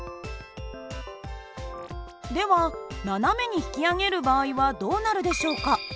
では斜めに引き上げる場合はどうなるでしょうか。